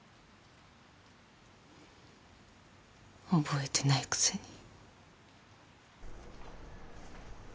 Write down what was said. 覚えてないくせに。